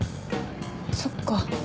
そっか。